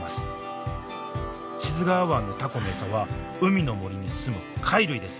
志津川湾のタコの餌は海の森に住む貝類です。